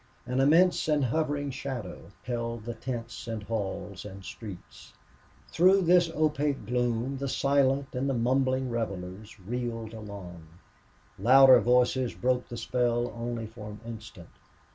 An immense and hovering shadow held the tents and halls and streets. Through this opaque gloom the silent and the mumbling revelers reeled along. Louder voices broke the spell only for an instant.